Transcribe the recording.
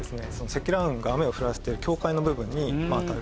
積乱雲が雨を降らせている境界の部分にあたる。